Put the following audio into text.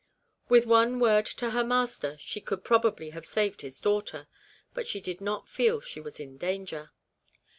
With one word to her master she could pro bably have saved his daughter, but she did not feel she was in danger.